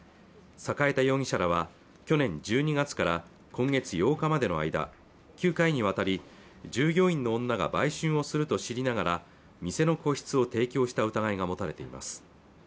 栄田容疑者らは去年１２月から今月８日までの間９回にわたり従業員の女が売春をすると知りながら店の個室を提供した疑いが持たれています